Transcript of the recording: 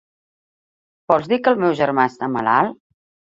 Vols dir que el meu germà està malalt?